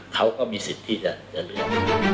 เขาก็มีสิทธิ์ที่จะเลือก